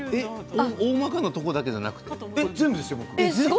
おおまかなところだけじゃなくて。